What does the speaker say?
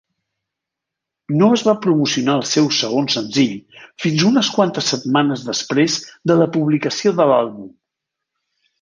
No es va promocionar el seu segon senzill fins unes quantes setmanes després de la publicació de l'àlbum.